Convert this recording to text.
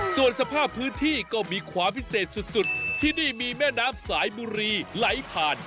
ส่วนสภาพพื้นที่ก็มีความพิเศษสุดที่นี่มีแม่น้ำสายบุรีไหลผ่าน